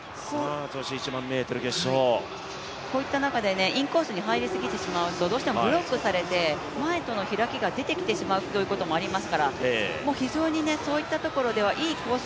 こういった中でインコースに入りすぎてしまうとどうしてブロックされて前との開きが出てきてしまうということもありますから、非常にそういったところではいいコース